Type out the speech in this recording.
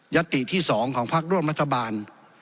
ยัตติที่สองของพักร่วมรัฐบาล